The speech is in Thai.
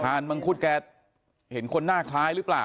มังคุดแกเห็นคนหน้าคล้ายหรือเปล่า